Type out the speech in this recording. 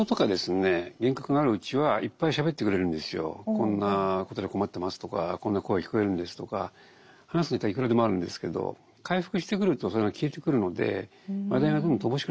「こんなことで困ってます」とか「こんな声聞こえるんです」とか話すネタはいくらでもあるんですけど回復してくるとそれが消えてくるので話題が乏しくなってくるんですよね。